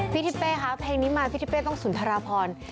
พี่ธิปเพศคะเพลงนี้มาพี่ธิปเพศต้องสุนทรพร